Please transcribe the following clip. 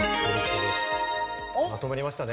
まとまりましたね。